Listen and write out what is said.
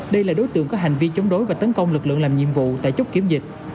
đây là đối tượng có hành vi chống đối và tấn công lực lượng làm nhiệm vụ tại chốt kiểm dịch